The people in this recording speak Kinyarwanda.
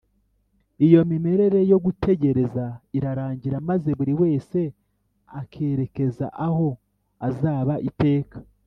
iyo mimerere yo gutegereza irarangira maze buri wese akerekeza aho azaba iteka